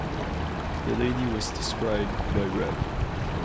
Delany was described by Rev.